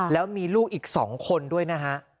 แล้วมีลูกอีก๒คนด้วยนะฮะ